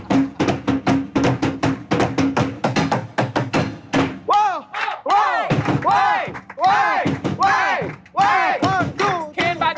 โชว์จากปริศนามหาสนุกหมายเลขหนึ่ง